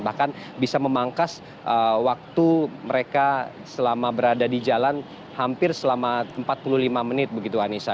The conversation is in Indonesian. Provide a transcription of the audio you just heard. bahkan bisa memangkas waktu mereka selama berada di jalan hampir selama empat puluh lima menit begitu anissa